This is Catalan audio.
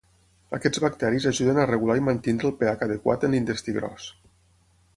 Aquests bacteris ajuden a regular i mantenir el pH adequat en l'intestí gros.